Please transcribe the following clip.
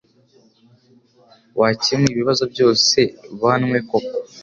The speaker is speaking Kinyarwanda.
Wakemuye ibibazo byose banwe koko?